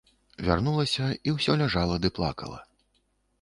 Вярнулася і ўсё ляжала ды плакала.